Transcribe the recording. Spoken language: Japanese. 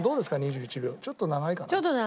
ちょっと長いかな？